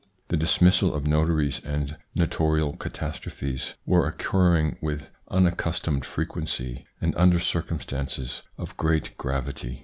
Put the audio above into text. The dismissal of notaries and notarial catastrophes were occurring with unaccustomed frequency and under circumstances of great gravity.